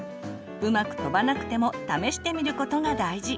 うまく飛ばなくても試してみることが大事。